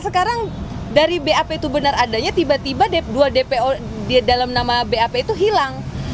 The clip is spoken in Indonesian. sekarang dari bap itu benar adanya tiba tiba dua dpo di dalam nama bap itu hilang